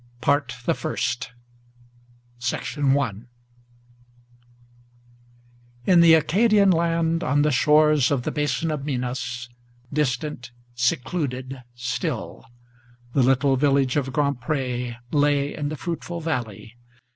PART THE FIRST. I IN the Acadian land, on the shores of the Basin of Minas, Distant, secluded, still, the little village of Grand Pré Lay in the fruitful valley.